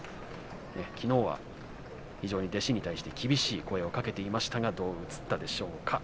きのうは非常に弟子に対して厳しい声をかけていましたがどう映ったでしょうか。